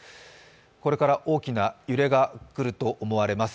これから大きな揺れが来ると思われます。